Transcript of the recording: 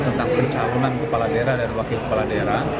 tentang pencalonan kepala daerah dan wakil kepala daerah